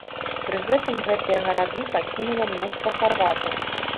Пры гэтым гэтыя гарады пакінула мноства харватаў.